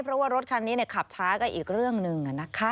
เพราะว่ารถคันนี้ขับช้าก็อีกเรื่องหนึ่ง